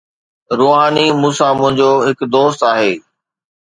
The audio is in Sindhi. روحاني: مون سان منهنجو هڪ دوست آهي.